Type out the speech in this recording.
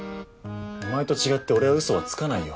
お前と違って俺はウソはつかないよ。